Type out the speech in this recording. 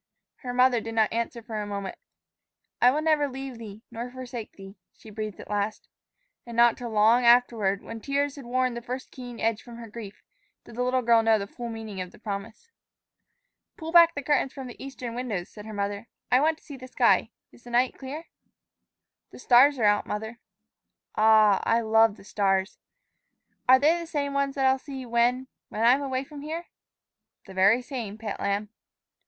Her mother did not answer for a moment. "'I will never leave thee, nor forsake thee,'" she breathed at last. And not till long afterward, when tears had worn the first keen edge from her grief, did the little girl know the full meaning of the promise. "Pull back the curtains from the eastern windows," said her mother; "I want to see the sky. Is the night clear?" "The stars are out, mother." "Ah, I love the stars!" "Are they the same ones that I'll see when when I'm away from here?" "The very same, pet lamb."